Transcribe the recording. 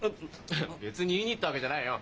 別に言いに行ったわけじゃないよ。